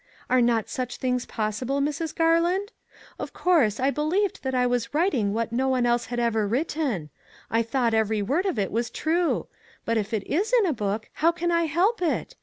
Are not such things possible, Mrs. Gar 386 " THE EXACT TRUTH " land? Of course, I believed that I was writ ing what no one else had ever written. I thought every word of it was true ; but if it is in a book, how can I help it?